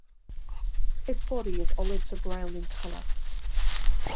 Its body is olive to brown in color.